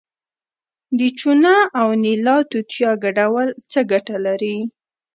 د چونه او نیلا توتیا ګډول څه ګټه لري؟